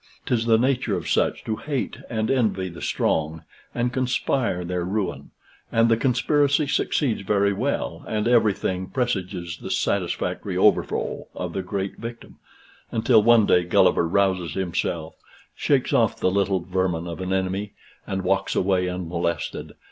'Tis the nature of such to hate and envy the strong, and conspire their ruin; and the conspiracy succeeds very well, and everything presages the satisfactory overthrow of the great victim; until one day Gulliver rouses himself, shakes off the little vermin of an enemy, and walks away unmolested.